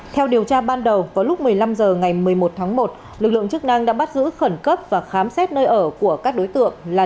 theo điều tra ban đầu vào lúc một mươi năm h ngày một mươi một tháng một lực lượng chức năng đã bắt giữ khẩn cấp và khám xét nơi ở của các đối tượng là